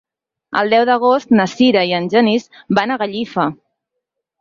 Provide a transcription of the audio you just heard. El deu d'agost na Sira i en Genís van a Gallifa.